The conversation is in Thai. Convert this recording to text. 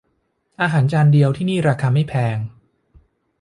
อาหารจานเดียวที่นี่ราคาไม่แพง